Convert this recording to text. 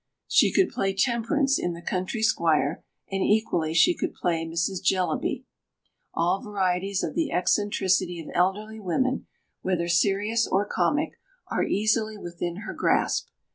She could play Temperance in The Country Squire, and equally she could play Mrs. Jellaby. All varieties of the eccentricity of elderly women, whether serious or comic, are easily within her grasp.